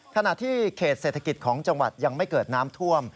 ขณะที่เขตเศรษฐกิจของจังหวัดยังไม่เกิดน้ำท่วม